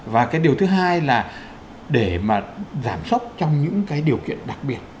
và cái điều thứ hai là để mà giảm sốc trong những cái điều kiện đặc biệt